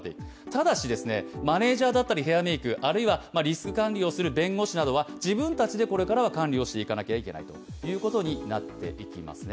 ただし、マネージャーだったりヘアメイク、あるいはリスク管理をする弁護士などは自分たちでこれからは管理をしていかなければいけないということになっていきますね。